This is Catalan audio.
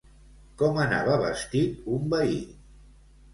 Com anava vestit un veí?